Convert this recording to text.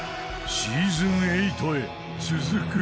シーズン８へ続く？